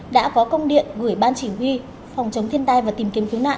đã có công điện gửi ban chỉ huy phòng chống thiên tai và tìm kiếm cứu nạn